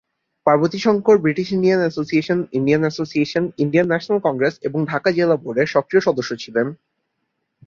পার্বতী শঙ্কর ছিলেন British Indian association, Indian association, Indian national Congress এবং ঢাকা জেলা বোর্ডের সক্রিয় সদস্য ছিলেন।